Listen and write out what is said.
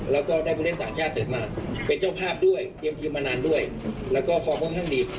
แล้วก็ได้ผู้เล่นต่างชาติเสริมมาเป็นเจ้าภาพด้วยเตรียมทีมมานานด้วยแล้วก็ฟอร์มค่อนข้างดี